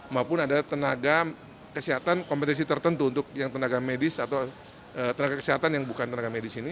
maupun ada tenaga kesehatan kompetensi tertentu untuk yang tenaga medis atau tenaga kesehatan yang bukan tenaga medis ini